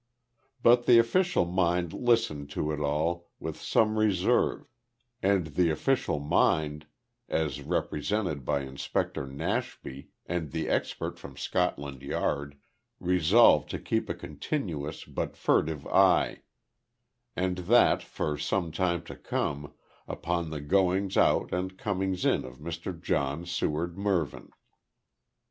But the official mind listened to it all with some reserve and the official mind, as represented by Inspector Nashby and the expert from Scotland Yard, resolved to keep a continuous but furtive eye and that for sometime to come upon the goings out and comings in of Mr John Seward Mervyn.